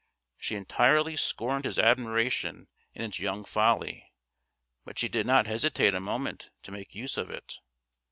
She entirely scorned his admiration in its young folly; but she did not hesitate a moment to make use of it.